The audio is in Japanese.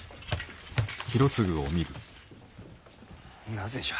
なぜじゃ。